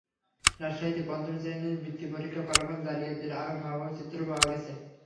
রাজশাহীতে পঞ্চম শ্রেণির বৃত্তি পরীক্ষার ফলাফল জালিয়াতির আরও ভয়াবহ চিত্র পাওয়া গেছে।